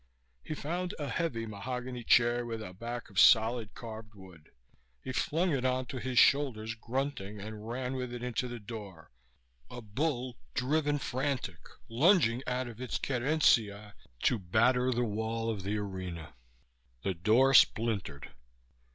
He found a heavy mahogany chair, with a back of solid carved wood. He flung it onto his shoulders, grunting, and ran with it into the door, a bull driven frantic, lunging out of its querencia to batter the wall of the arena. The door splintered.